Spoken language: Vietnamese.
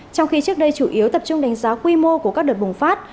trong khi trước đây chủ yếu tập trung đánh giá quy mô của các đợt bùng phát